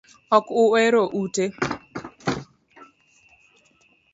Ok uhera ute